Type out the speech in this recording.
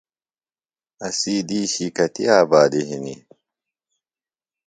اسی دِیشی کتیۡ آبادیۡ ہِنیۡ؟